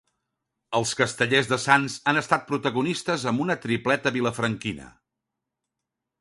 Els Castellers de Sants han estat protagonistes amb una tripleta vilafranquina.